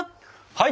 はい！